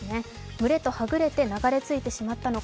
群れとはぐれて流れ着いてしまったのか。